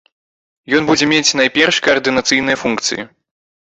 Ён будзе мець найперш каардынацыйныя функцыі.